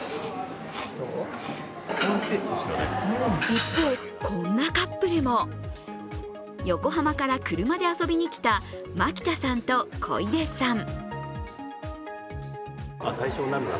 一方、こんなカップルも横浜から車で遊びにきた槇田さんと小出さん。